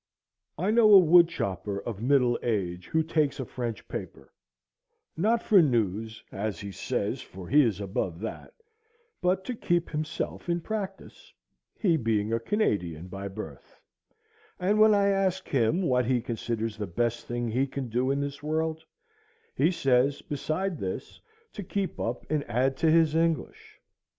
I know a woodchopper, of middle age, who takes a French paper, not for news as he says, for he is above that, but to "keep himself in practice," he being a Canadian by birth; and when I ask him what he considers the best thing he can do in this world, he says, beside this, to keep up and add to his English.